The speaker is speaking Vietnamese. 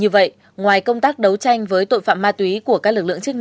như vậy ngoài công tác đấu tranh với tội phạm ma túy của các lực lượng chức năng